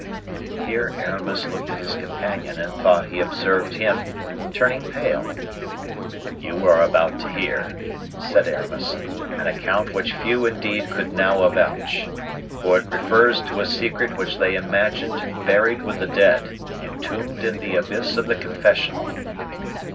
Here Aramis looked at his companion, and thought he observed him turning pale. "You are about to hear," said Aramis, "an account which few indeed could now avouch; for it refers to a secret which they imagined buried with the dead, entombed in the abyss of the confessional."